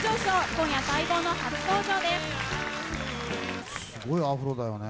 今夜、待望の初登場です。